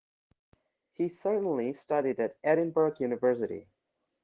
He certainly studied at Edinburgh University.